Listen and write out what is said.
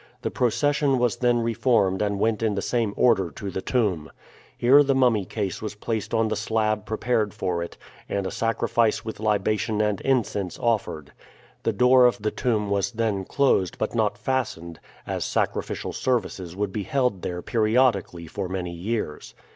The procession was then reformed and went in the same order to the tomb. Here the mummy case was placed on the slab prepared for it, and a sacrifice with libation and incense offered. The door of the tomb was then closed, but not fastened, as sacrificial services would be held there periodically for many years.